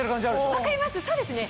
分かりますそうですね。